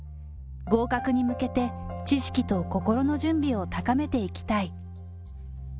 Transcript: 合格に向けて、知識と心の準備を高めていきたい。